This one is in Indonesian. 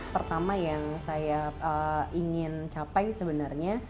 pertama yang saya ingin capai sebenarnya